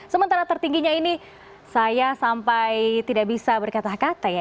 sementara tertingginya ini saya sampai tidak bisa berkata kata ya